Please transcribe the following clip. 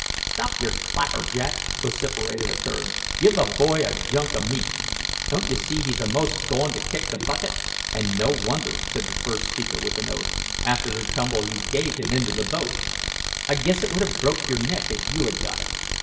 "Stop your clapper, Jack!" vociferated a third. "Give the boy a junk o' meat. Don't you see he's a'most goin' to kick the bucket?" "And no wonder," said the first speaker with an oath, "after the tumble you gave him into the boat! I guess it would have broke your neck if you had got it."